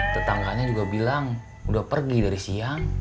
tetangganya juga bilang udah pergi dari siang